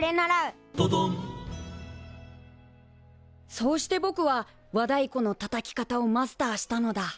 そうしてぼくは和だいこのたたき方をマスターしたのだ。